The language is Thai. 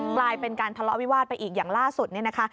กลายเป็นการทะเลาะวิวาสไปอีกอย่างล่าสุดเนี่ยนะคะ